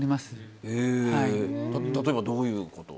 例えば、どういうこと？